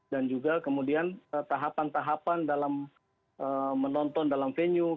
dan juga kemudian tahapan tahapan dalam menonton dalam venue